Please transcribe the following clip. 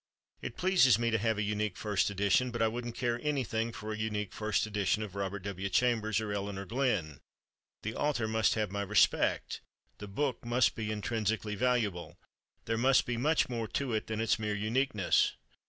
It pleases me to have a unique first edition, but I wouldn't care anything for a unique first edition of Robert W. Chambers or Elinor Glyn; the author must have my respect, the book must be intrinsically valuable, there must be much more to it than its mere uniqueness.